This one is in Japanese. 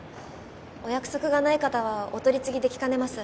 お約束がない方はお取り次ぎできかねます